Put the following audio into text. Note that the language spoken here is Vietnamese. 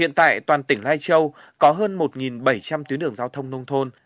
hiện tại toàn tỉnh lai châu có hơn một bảy trăm linh tuyến đường giao thông nông thôn